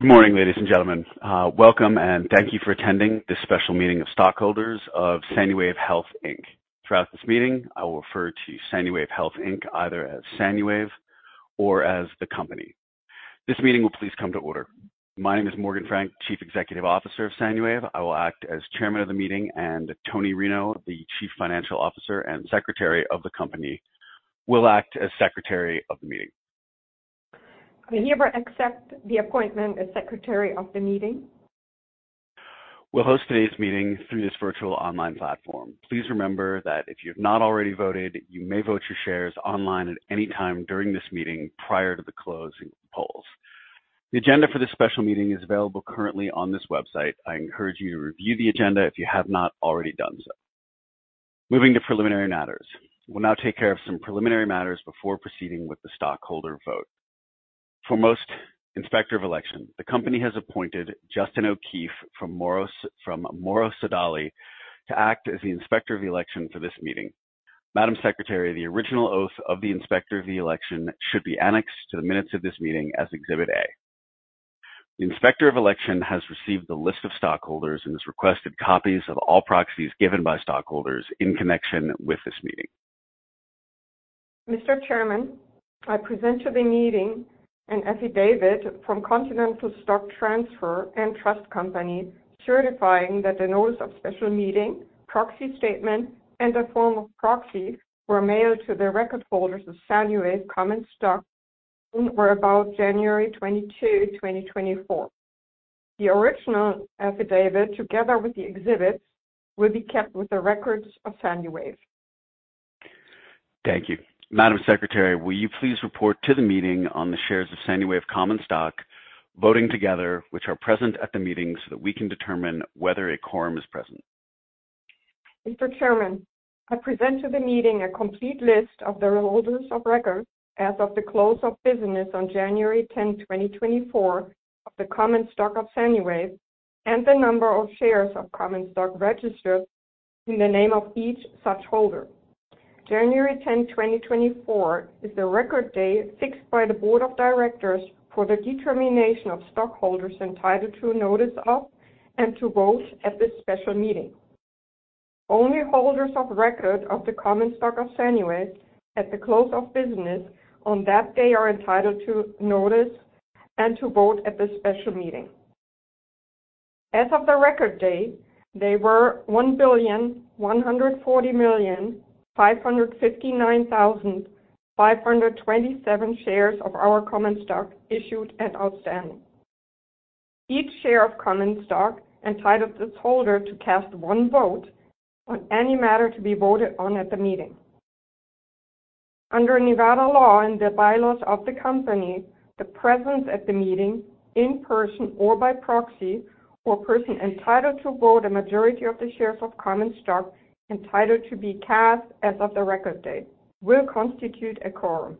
Good morning, ladies and gentlemen. Welcome and thank you for attending this special meeting of stockholders of SANUWAVE Health, Inc. Throughout this meeting, I will refer to SANUWAVE Health, Inc, either as SANUWAVE or as the company. This meeting will please come to order. My name is Morgan Frank, Chief Executive Officer of SANUWAVE. I will act as Chairman of the meeting, and Toni Rinow, the Chief Financial Officer and Secretary of the company, will act as Secretary of the meeting. I hereby accept the appointment as Secretary of the meeting. We'll host today's meeting through this virtual online platform. Please remember that if you've not already voted, you may vote your shares online at any time during this meeting prior to the closing polls. The agenda for this special meeting is available currently on this website. I encourage you to review the agenda if you have not already done so. Moving to preliminary matters. We'll now take care of some preliminary matters before proceeding with the stockholder vote. For our Inspector of Election, the company has appointed Justin O'Keefe from Morrow Sodali to act as the Inspector of Election for this meeting. Madam Secretary, the original oath of the Inspector of Election should be annexed to the minutes of this meeting as Exhibit A. The Inspector of Election has received the list of stockholders and has requested copies of all proxies given by stockholders in connection with this meeting. Mr. Chairman, I present to the meeting an affidavit from Continental Stock Transfer and Trust Company, certifying that the notice of special meeting, proxy statement, and the form of proxy were mailed to the record holders of SANUWAVE common stock on or about January 22, 2024. The original affidavit, together with the exhibits, will be kept with the records of SANUWAVE. Thank you. Madam Secretary, will you please report to the meeting on the shares of SANUWAVE common stock, voting together, which are present at the meeting, so that we can determine whether a quorum is present? Mr. Chairman, I present to the meeting a complete list of the holders of record as of the close of business on January 10, 2024, of the common stock of SANUWAVE and the number of shares of common stock registered in the name of each such holder. January 10, 2024, is the record day fixed by the Board of Directors for the determination of stockholders entitled to notice of and to vote at this special meeting. Only holders of record of the common stock of SANUWAVE at the close of business on that day are entitled to notice and to vote at this special meeting. As of the record day, there were 1,140,559,527 shares of our common stock issued and outstanding. Each share of common stock entitles this holder to cast one vote on any matter to be voted on at the meeting. Under Nevada law and the bylaws of the company, the presence at the meeting, in person or by proxy or person entitled to vote, a majority of the shares of common stock entitled to be cast as of the record date, will constitute a quorum.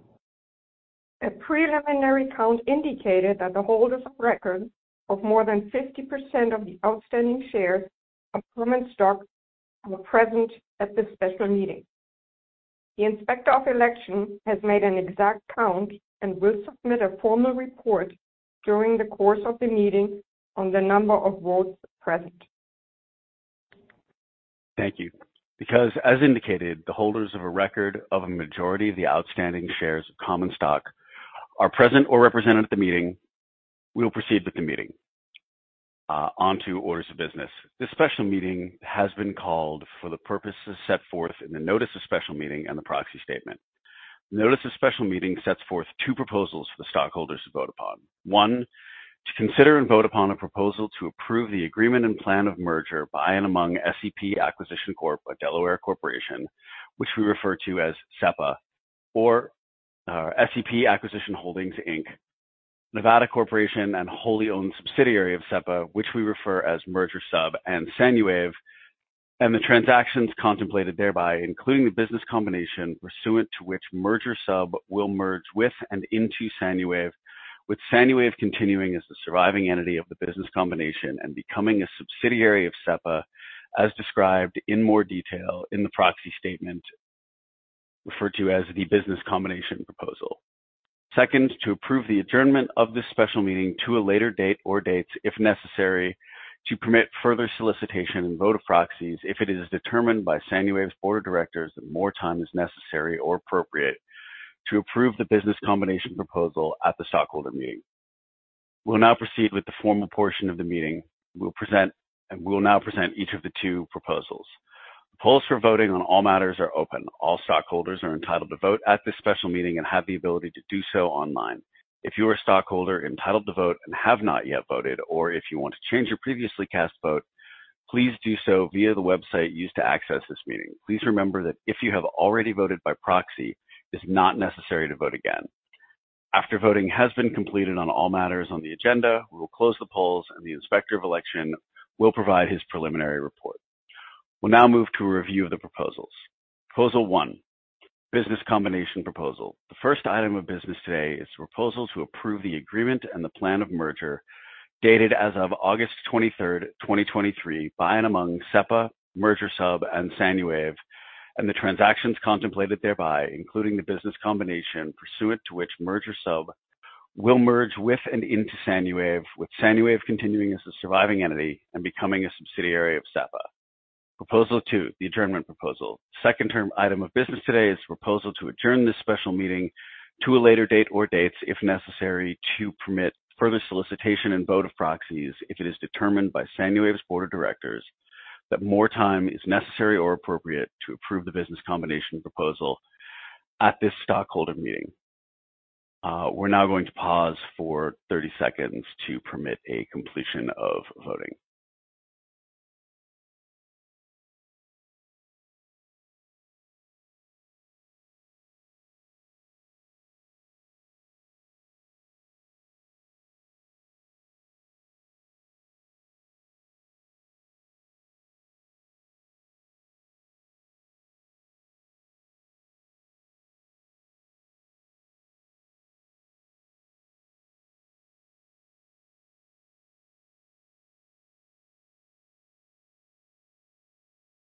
A preliminary count indicated that the holders of record of more than 50% of the outstanding shares of common stock were present at this special meeting. The Inspector of Election has made an exact count and will submit a formal report during the course of the meeting on the number of votes present. Thank you. Because, as indicated, the holders of a record of a majority of the outstanding shares of common stock are present or represented at the meeting, we will proceed with the meeting. Onto orders of business. This special meeting has been called for the purposes set forth in the notice of special meeting and the proxy statement. The notice of special meeting sets forth two proposals for the stockholders to vote upon. One, to consider and vote upon a proposal to approve the agreement and plan of merger by and among SEP Acquisition Corp, a Delaware corporation, which we refer to as SEPA, or SEP Acquisition Holdings, Inc. Nevada Corporation, and wholly owned subsidiary of SEPA, which we refer as Merger Sub and SANUWAVE, and the transactions contemplated thereby, including the business combination, pursuant to which Merger Sub will merge with and into SANUWAVE, with SANUWAVE continuing as the surviving entity of the business combination and becoming a subsidiary of SEPA, as described in more detail in the proxy statement, referred to as the business combination proposal. Second, to approve the adjournment of this special meeting to a later date or dates, if necessary, to permit further solicitation and vote of proxies, if it is determined by SANUWAVE's Board of Directors that more time is necessary or appropriate to approve the business combination proposal at the stockholder meeting. We'll now proceed with the formal portion of the meeting. We will now present each of the two proposals. Polls for voting on all matters are open. All stockholders are entitled to vote at this special meeting and have the ability to do so online. If you are a stockholder entitled to vote and have not yet voted, or if you want to change your previously cast vote, please do so via the website used to access this meeting. Please remember that if you have already voted by proxy, it's not necessary to vote again. After voting has been completed on all matters on the agenda, we will close the polls, and the Inspector of Election will provide his preliminary report. We'll now move to a review of the proposals. Proposal 1, business combination proposal. The first item of business today is the proposal to approve the agreement and the plan of merger, dated as of August 23, 2023, by and among SEPA, Merger Sub, and SANUWAVE.... and the transactions contemplated thereby, including the business combination pursuant to which Merger Sub will merge with and into SANUWAVE, with SANUWAVE continuing as the surviving entity and becoming a subsidiary of SEPA. Proposal 2, the adjournment proposal. Second term item of business today is the proposal to adjourn this special meeting to a later date or dates, if necessary, to permit further solicitation and vote of proxies if it is determined by SANUWAVE's Board of Directors that more time is necessary or appropriate to approve the business combination proposal at this stockholder meeting. We're now going to pause for 30 seconds to permit a completion of voting.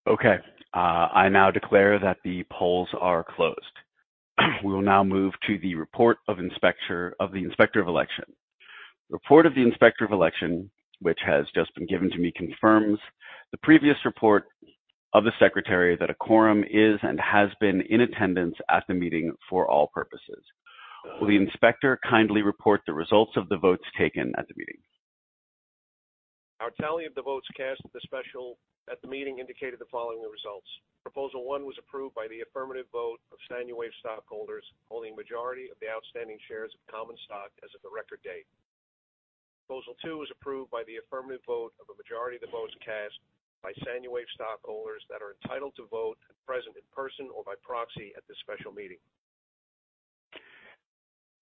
Okay, I now declare that the polls are closed. We will now move to the report of the Inspector of Election. The report of the Inspector of Election, which has just been given to me, confirms the previous report of the secretary that a quorum is and has been in attendance at the meeting for all purposes. Will the inspector kindly report the results of the votes taken at the meeting? Our tally of the votes cast at the special meeting indicated the following results: Proposal 1 was approved by the affirmative vote of SANUWAVE stockholders, holding majority of the outstanding shares of common stock as of the record date. Proposal 2 was approved by the affirmative vote of a majority of the votes cast by SANUWAVE stockholders that are entitled to vote and present in person or by proxy at this special meeting.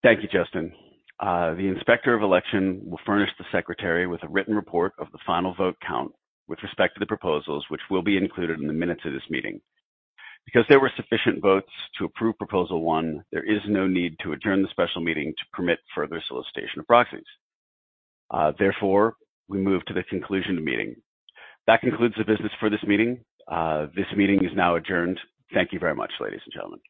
Thank you, Justin. The Inspector of Election will furnish the secretary with a written report of the final vote count with respect to the proposals, which will be included in the minutes of this meeting. Because there were sufficient votes to approve Proposal 1, there is no need to adjourn the special meeting to permit further solicitation of proxies. Therefore, we move to the conclusion of the meeting. That concludes the business for this meeting. This meeting is now adjourned. Thank you very much, ladies and gentlemen.